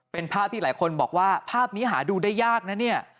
เป็นภาพที่หลายคนบอกว่าภาพนี้หาดูได้ยากนะเนี่ย